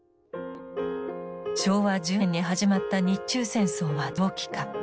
昭和１２年に始まった日中戦争は長期化。